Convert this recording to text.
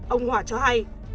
ông hòa cho hay